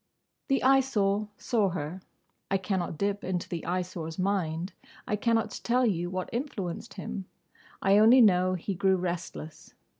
The Eyesore saw her. I cannot dip into the Eyesore's mind. I cannot tell you what influenced him. I only know he grew restless.